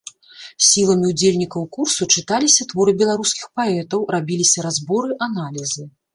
Сіламі ўдзельнікаў курсу чыталіся творы беларускіх паэтаў, рабіліся разборы, аналізы.